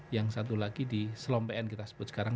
yang satu lagi di selom pn kita sebut sekarang